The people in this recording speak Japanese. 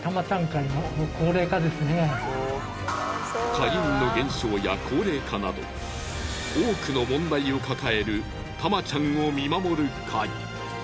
会員の減少や高齢化など多くの問題を抱えるタマちゃんを見守る会。